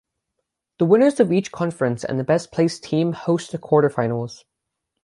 The winners of each conference and the best placed team host the quarterfinals.